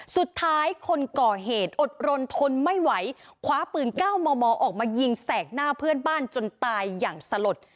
คนก่อเหตุอดรนทนไม่ไหวคว้าปืน๙มมออกมายิงแสกหน้าเพื่อนบ้านจนตายอย่างสลด